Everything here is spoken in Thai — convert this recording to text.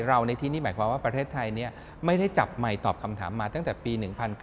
ในที่นี่หมายความว่าประเทศไทยไม่ได้จับใหม่ตอบคำถามมาตั้งแต่ปี๑๙